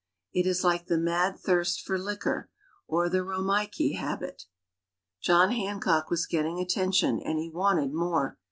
It is like the mad thirst for liquor, or the Romeike habit. John Hancock was getting attention, and he wanted more.